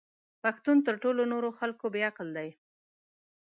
پښتون تر ټولو نورو خلکو بې عقل دی!